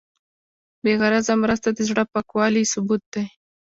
بېغرضه مرسته د زړه پاکوالي ثبوت دی.